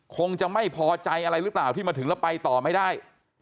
คงจะไม่พอใจอะไรหรือเปล่าที่มาถึงแล้วไปต่อไม่ได้